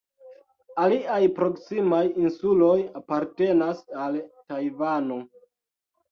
Aliaj proksimaj insuloj apartenas al Tajvano.